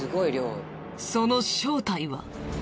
その正体は？